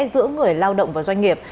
giữa người lao động và doanh nghiệp